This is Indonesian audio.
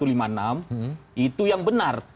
itu yang benar